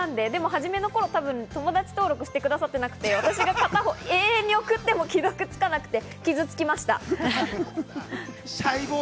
初めの頃、友達登録してくださってなくて、私が送っても永遠に既読がつかなくて傷つきました。